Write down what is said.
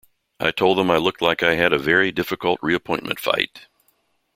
'I told them I looked like I had a very difficult reapportionment fight.